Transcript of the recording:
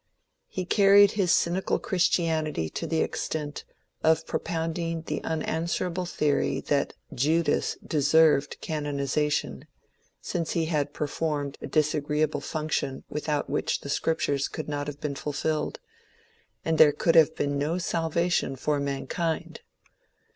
He carried his cynical Christianity to the extent of propound ing the unanswerable theory that Judas deserved canoniza tion, since he had performed a disagreeable function without which the Scriptures could not have been fulfilled, and there could have been no salvation for mankind.